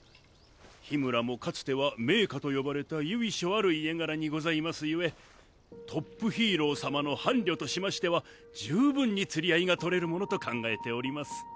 氷叢もかつては名家と呼ばれた由緒ある家柄にございます故トップヒーロー様の伴侶としましては十分に釣り合いがとれるものと考えております。